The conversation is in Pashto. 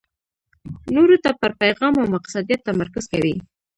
نورو ته پر پېغام او مقصدیت تمرکز کوي.